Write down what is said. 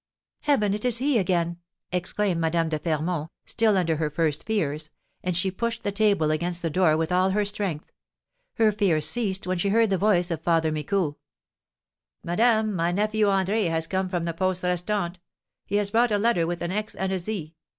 "Heaven, it is he again!" exclaimed Madame de Fermont, still under her first fears; and she pushed the table against the door with all her strength. Her fears ceased when she heard the voice of Father Micou: "Madame, my nephew, André, has come from the Poste Restante. He has brought a letter with an 'X' and a 'Z.'